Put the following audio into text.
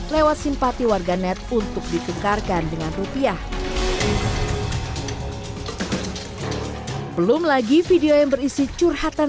lewat simpati warga net untuk ditukarkan dengan rupiah belum lagi video yang berisi curhatan